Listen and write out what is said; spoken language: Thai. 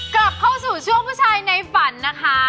กลับเข้าสู่ช่วงผู้ชายในฝันนะคะ